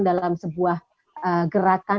dalam sebuah gerakan